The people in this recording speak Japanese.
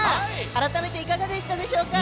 改めていかがでしたでしょうか。